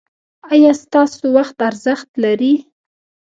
ایا ستاسو وخت ارزښت لري؟